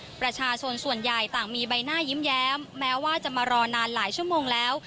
ประชาชนส่วนใหญ่ต่างมีใบหน้ายิ้มแย้มแม้ว่าจะมารอนานหลายชั่วโมงแล้ว